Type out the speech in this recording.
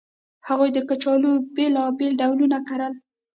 هغوی د کچالو بېلابېل ډولونه کرل